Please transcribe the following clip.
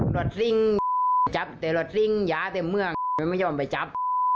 รอซิงจับเถอะรอซิงยาเต๊ะเมืองมันไม่ยอมไปจับ